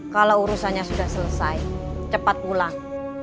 kalau urusannya sudah selesai cepat pulang